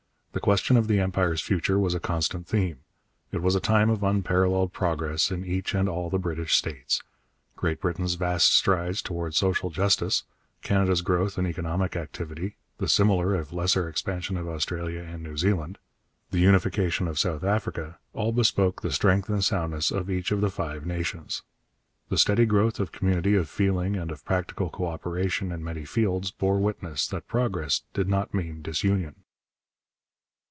The question of the Empire's future was a constant theme. It was a time of unparalleled progress in each and all the British states. Great Britain's vast strides towards social justice, Canada's growth and economic activity, the similar, if lesser, expansion of Australia and New Zealand, the unification of South Africa, all bespoke the strength and soundness of each of the Five Nations. The steady growth of community of feeling and of practical co operation in many fields bore witness that progress did not mean disunion.